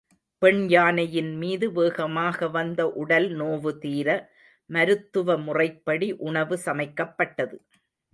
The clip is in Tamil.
பெண்யானையின்மீது வேகமாக வந்த உடல் நோவுதீர மருத்துவ முறைப்படி உணவு சமைக்கப் பட்டது.